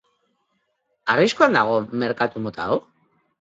Arriskuan dago merkatu mota hau?